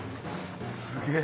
すげえ